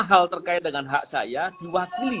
hal terkait dengan hak saya diwakili